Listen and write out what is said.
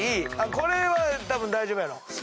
これはたぶん大丈夫やろ。